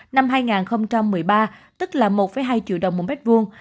năm hai nghìn một mươi ba tức là một hai triệu đồng một mét vuông